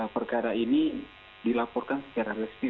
perkara ini dilaporkan secara resmi